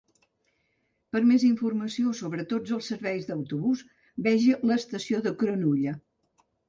Per a més informació sobre tots els serveis d'autobús, vegi l'estació de Cronulla.